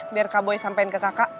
biar kak boy sampaikan ke kakak